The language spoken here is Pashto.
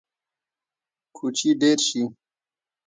کوچي ډیر شي